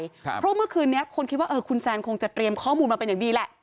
เพราะเมื่อคืนนี้คนคิดว่าเออคุณแซนคงจะเตรียมข้อมูลมาเป็นอย่างดีแหละ